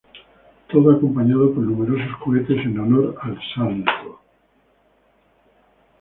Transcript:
Todo acompañado por numerosos cohetes en honor al santo.